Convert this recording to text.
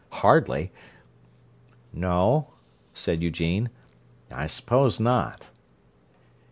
Hardly!" "No," said Eugene. "I suppose not."